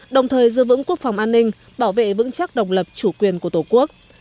đồng thời dư vững quốc phòng an ninh bảo vệ vững chắc độc lập chủ quyền của tổ quốc